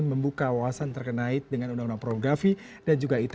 membuka wawasan terkait dengan undang undang pornografi dan juga it